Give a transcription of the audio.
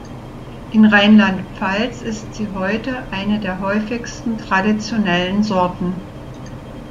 In Rheinland-Pfalz ist sie heute eine der häufigsten traditionellen Sorten.